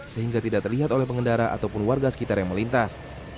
sehingga tidak terlihat oleh pengendara ataupun warga sekitar yang melintas